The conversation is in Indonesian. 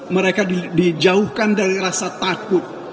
mereka dijauhkan dari rasa takut